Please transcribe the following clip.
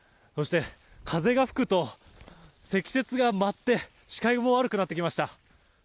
風が吹くと積雪が舞って視界も悪くなってきました。